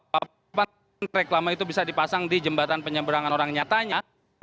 papan reklama itu bisa dipasang di jembatan penyeberangan orang nyatanya